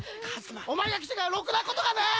お前が来てからろくなことがねえ！